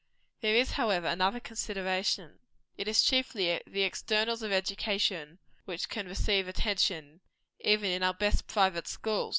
There is, however, another consideration. It is chiefly the externals of education which can receive attention, even in our best private schools.